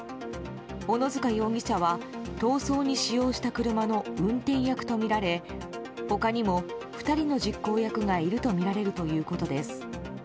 小野塚容疑者は逃走に使用した車の運転役とみられ他にも２人の実行役がいるとみられるということです。